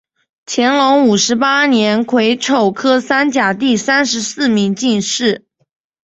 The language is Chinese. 乾隆五十八年癸丑科三甲第三十四名进士。